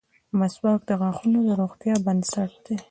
• مسواک د غاښونو د روغتیا بنسټ دی.